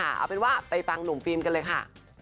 เอาเป็นว่าไปฟังหนุ่มฟิล์มกันเลยค่ะ